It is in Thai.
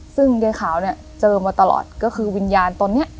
ซึ่งยายขาวเนี่ยเจอมาตลอดก็คือวิญญาณตนเนี่ย